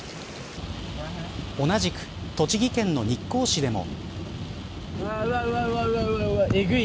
同じく、栃木県の日光市でも。